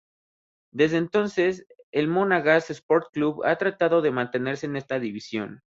Desde entonces el Monagas Sport Club ha tratado de mantenerse en esta división.